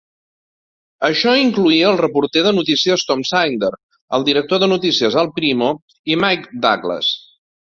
Això incloïa el reporter de notícies Tom Synder, el director de notícies Al Primo i Mike Douglas.